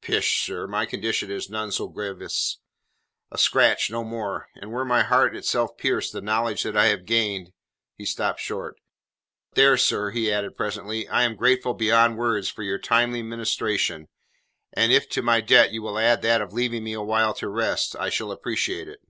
"Pish, sir, my condition is none so grievous a scratch, no more, and were my heart itself pierced the knowledge that I have gained " He stopped short. "But there, sir," he added presently, "I am grateful beyond words for your timely ministration, and if to my debt you will add that of leaving me awhile to rest, I shall appreciate it."